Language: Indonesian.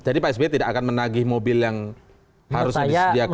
jadi pak s b tidak akan menagih mobil yang harus disediakan untuk